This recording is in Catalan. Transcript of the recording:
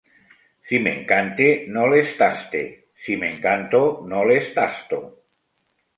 Si m'encante no les taste! Si m'encanto no les tasto!